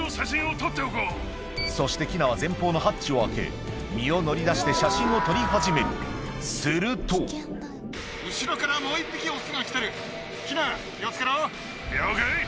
そしてキナは前方のハッチを開け身を乗り出して写真を撮り始めるすると了解。